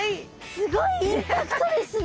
すごいインパクトですね。